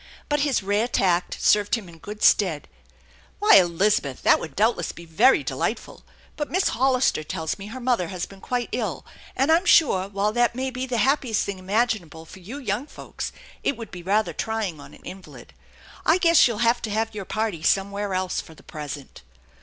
But his rare tact served him in good stead " Why, Elizabeth, that would doubtless be very delightful ; but Miss Hollister tells me her mother has been quite ill, and I'm sure, while that might be the happiest thing imaginable 72 THE ENCHANTED BARN for you young iolks, it would be rather trying on an invalid. J guess you'll have to have your parties somewhere else for the present."